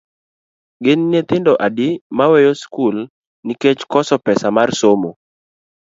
Gin nyithindo adi ma weyo skul nikech koso pesa mar somo?